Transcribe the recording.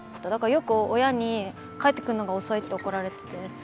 だからよく親に帰ってくるのが遅いって怒られてて。